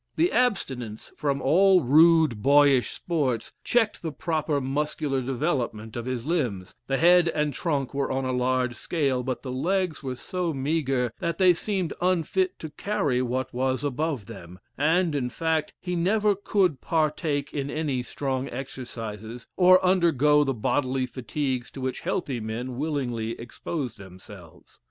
The abstinence from all rude, boyish sports, checked the proper muscular development of his limbs; the head and trunk were on a large scale, but the legs were so meagre that they seemed unfit to carry what was above them; and, in fact, he never could partake in any strong exercises, or undergo the bodily fatigues to which healthy men willingly expose themselves.